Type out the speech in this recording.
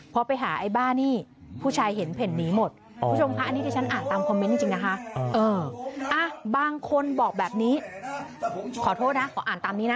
ขออ่านตามนี้นะ